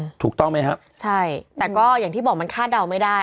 ถูกต้องไหมครับใช่แต่ก็อย่างที่บอกมันคาดเดาไม่ได้